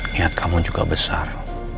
niat kamu juga besar